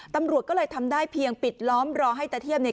ตำรวจก็เลยทำได้เพียงปิดล้อมรอให้ตะเี่ยมเนี่ย